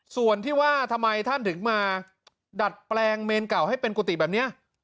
ส่วนที่ว่าทำไมท่านถึงมาดัดแปลงเมนเก่าให้เป็นกุฏิแบบนี้